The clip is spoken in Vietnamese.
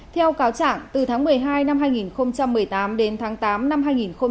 theo cáo trạng từ tháng một mươi hai năm hai nghìn một mươi tám đến tháng tám năm hai nghìn một mươi bảy